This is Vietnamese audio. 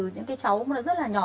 những cái cháu rất là nhỏ